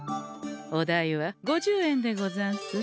お代は５０円でござんす。